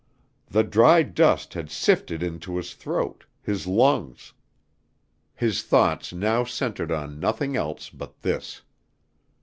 The dry dust had sifted into his throat his lungs. His thoughts now centered on nothing else but this.